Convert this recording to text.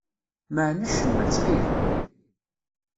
Mɛen acemma, ttxil.